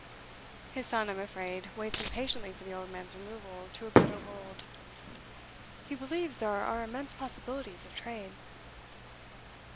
His son, I'm afraid, waits impatiently for the old man's removal to a better world. He believes there are immense possibilities of trade.